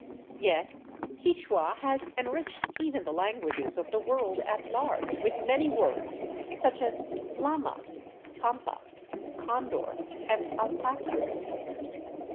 Yet Quichua has enriched even the languages of the world at large with many words, such as llama, pampa, condor, and alpaca.